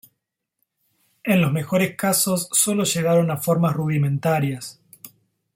En los mejores casos solo llegaron a formas rudimentarias.